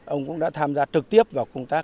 ông cũng đã tham gia trực tiếp vào công tác